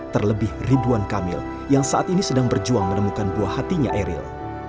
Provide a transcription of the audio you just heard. terlebih ridwan kamil yang saat ini sedang berjuang menemukan buah hatinya eril